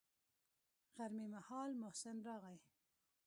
غرمې مهال محسن راغى.